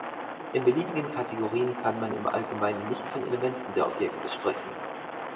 In beliebigen Kategorien kann man im Allgemeinen nicht von Elementen der Objekte sprechen.